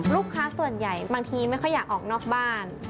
ลูกค้าส่วนใหญ่บางทีไม่ค่อยอยากออกนอกบ้าน